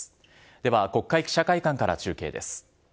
では、国会記者会館から中継です。